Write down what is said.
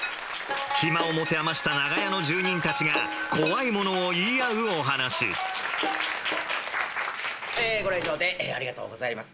暇を持て余した長屋の住人たちが怖いものを言い合うお噺えご来場でありがとうございます。